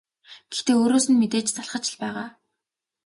Гэхдээ өөрөөс нь мэдээж залхаж л байгаа.